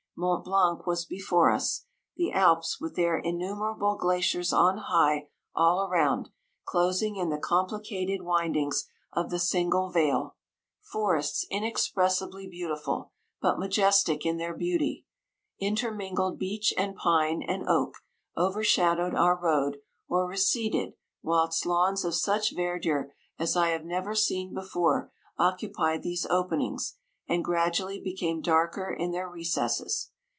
— Mont Blanc was be fore us — the Alps, with their innume rable glaciers on high all around, clos ing in the complicated windings of the 151 single vale — forests inexpressibly beau tiful, but majestic in their beauty — in termingled beech and pine, and oak, overshadowed our road, or receded, whilst lawns of such verdure as I have never seen before occupied these open ings, and gradually became darker in their recesses.